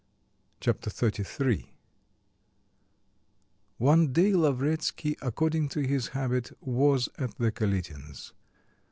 Chapter XXXIII One day Lavretsky, according to his habit, was at the Kalitins'.